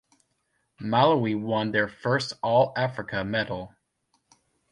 Malawi won their first All-Africa medal.